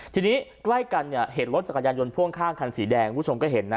ทีนี้ใกล้กันเนี่ยเห็นรถจักรยานยนต์พ่วงข้างคันสีแดงคุณผู้ชมก็เห็นนะ